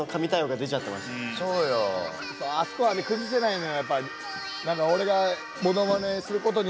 あそこはね崩せないのよやっぱ。